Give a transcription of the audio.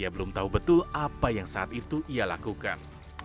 ia belum tahu betul apa yang saat itu ia lakukan